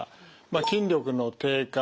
筋力の低下。